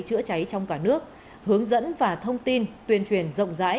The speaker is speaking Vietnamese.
chữa cháy trong cả nước hướng dẫn và thông tin tuyên truyền rộng rãi